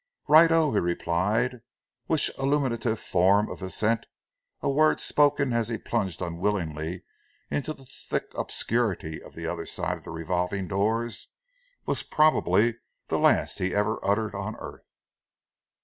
"Right oh!" he replied, which illuminative form of assent, a word spoken as he plunged unwillingly into the thick obscurity on the other side of the revolving doors, was probably the last he ever uttered on earth.